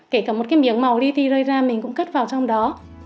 kể cả một cái miếng màu li ti rơi ra mình cũng cất vào trong đó